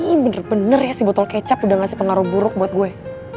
ini bener bener ya si botol kecap udah ngasih pengaruh buruk buat gue